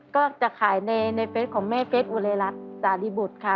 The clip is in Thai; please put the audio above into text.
ก็จะขายในเฟสของแม่เฟสอุเรรัฐสาธิบุตรค่ะ